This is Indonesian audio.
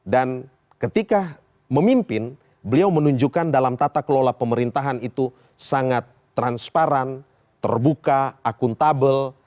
dan ketika memimpin beliau menunjukkan dalam tata kelola pemerintahan itu sangat transparan terbuka akuntabel